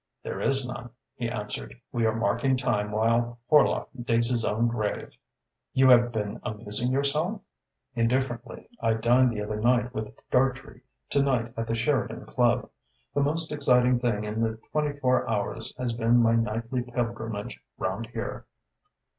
"There is none," he answered. "We are marking time while Horlock digs his own grave." "You have been amusing yourself?" "Indifferently. I dined the other night with Dartrey, to night at the Sheridan Club. The most exciting thing in the twenty four hours has been my nightly pilgrimage round here."